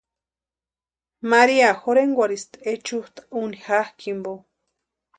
María jorhenkwarhisti ichusta úni jakʼi jimpo.